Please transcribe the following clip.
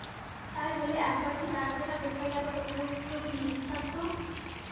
তাই বলে একবারটি জানাবে না কোথায় গেল, কোথায় উঠল, কী বিত্তান্ত?